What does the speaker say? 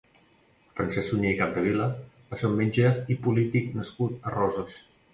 Francesc Sunyer i Capdevila va ser un metge i polític nascut a Roses.